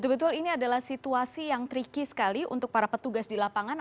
betul betul ini adalah situasi yang tricky sekali untuk para petugas di lapangan